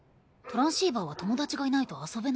トランシーバーは友達がいないと遊べないだろ。